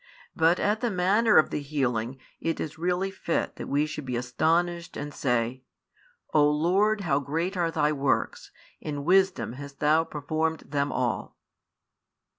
But at the manner of the healing it is really fit that we should be astonished and say: O Lord, how great are Thy works; in wisdom hast Thou performed them all.